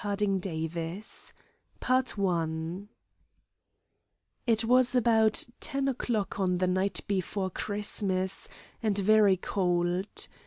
OUTSIDE THE PRISON It was about ten o'clock on the night before Christmas, and very cold.